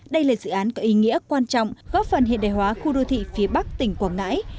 đây là dự án có ý nghĩa quan trọng góp phần hiện đại hóa khu đô thị phía bắc tỉnh quảng ngãi